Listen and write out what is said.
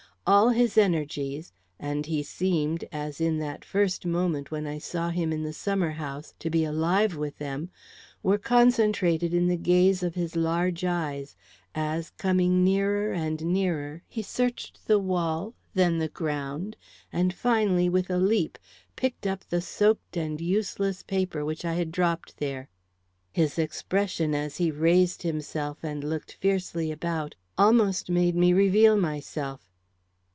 All his energies and he seemed, as in that first moment when I saw him in the summer house, to be alive with them were concentrated in the gaze of his large eyes, as, coming nearer and nearer, he searched the wall, then the ground, and finally, with a leap, picked up the soaked and useless paper which I had dropped there. His expression as he raised himself and looked fiercely about almost made me reveal myself.